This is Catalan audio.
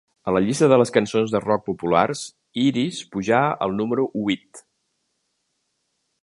A la llista de les cançons de rock populars, "Iris" pujà al número huit.